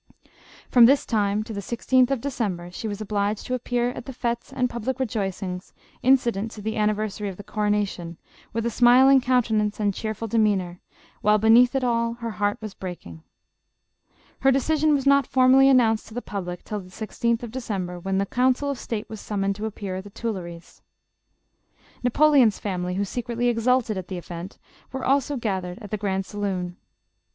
From this time to the 16th of December, she was obliged to appear at the fetes and public rejoicings, in cident to the anniversary of the coronation, with a smiling countenance and cheerful demeanor, while be neath it all, her heart was breaking. Her decision was not. formally announced to the public till the 16th of December, when the council of State were summoned to appear at the Tuilleries. Napoleon's • family, who secretly exulted at the event, were also gathered in the grand saloon.